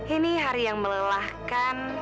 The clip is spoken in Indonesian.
ini hari yang melelahkan